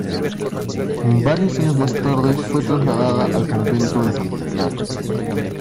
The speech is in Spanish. Varios años más tarde fue trasladada al Convento de Santa Clara.